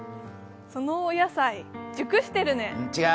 そのお野菜、熟してるね？